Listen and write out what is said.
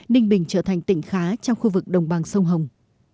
ninh bình trở thành tỉnh khá trong khu vực đồng bằng sông hồng